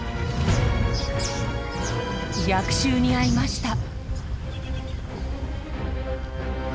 逆襲に遭いました。